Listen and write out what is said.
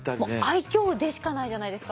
愛嬌でしかないじゃないですか。